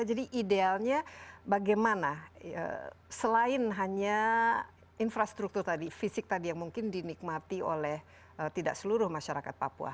jadi idealnya bagaimana selain hanya infrastruktur tadi fisik tadi yang mungkin dinikmati oleh tidak seluruh masyarakat papua